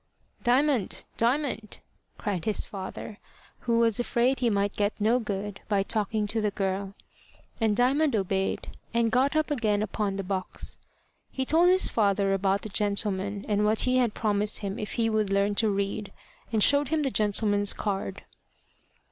"Diamond! Diamond!" cried his father, who was afraid he might get no good by talking to the girl; and Diamond obeyed, and got up again upon the box. He told his father about the gentleman, and what he had promised him if he would learn to read, and showed him the gentleman's card.